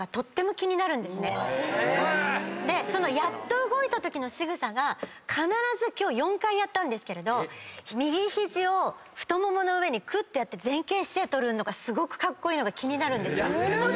やっと動いたときの仕草が必ず今日４回やったけど右肘を太ももの上にくってやって前傾姿勢取るのがすごくカッコイイのが気になるんです。